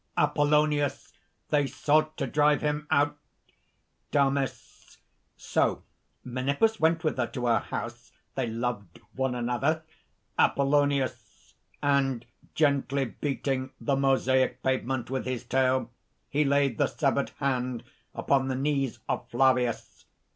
APOLLONIUS. "They sought to drive him out." DAMIS. "So Menippus went with her to her house; they loved one another." APOLLONIUS. "And gently beating the mosaic pavement with his tail, he laid the severed hand upon the knees of Flavius."